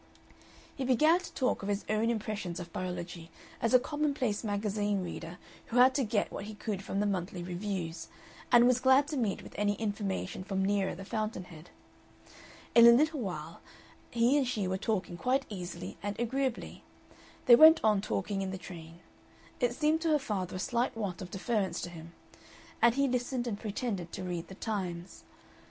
He began to talk of his own impressions of biology as a commonplace magazine reader who had to get what he could from the monthly reviews, and was glad to meet with any information from nearer the fountainhead. In a little while he and she were talking quite easily and agreeably. They went on talking in the train it seemed to her father a slight want of deference to him and he listened and pretended to read the Times.